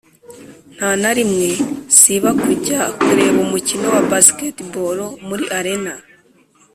ntanarimwe siba kujya kureba umukino wa basketball muri arena